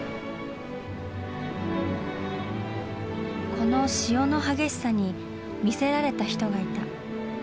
この潮の激しさに魅せられた人がいた。